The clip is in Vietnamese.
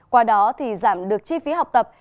qua đó thì giảm được chi phí học tập